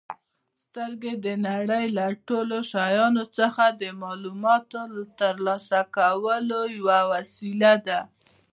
سترګې د نړۍ له ټولو شیانو څخه د معلوماتو ترلاسه کولو یوه وسیله ده.